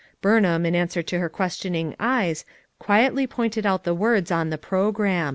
Burnham, in answer to her questioning eyes quietly pointed out the words on the program.